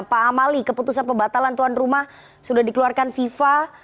pak amali keputusan pembatalan tuan rumah sudah dikeluarkan fifa